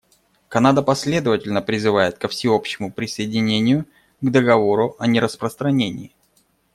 Канада последовательно призывает ко всеобщему присоединению к Договору о нераспространении.